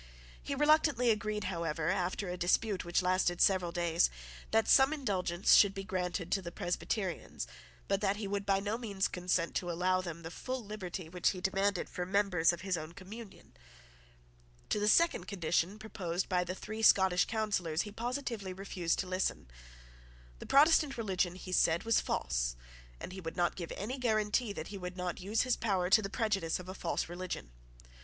He reluctantly agreed, however, after a dispute which lasted several days, that some indulgence should be granted to the Presbyterians but he would by no means consent to allow them the full liberty which he demanded for members of his own communion. To the second condition proposed by the three Scottish Councillors he positively refused to listen. The Protestant religion, he said, was false and he would not give any guarantee that he would not use his power to the prejudice of a false religion.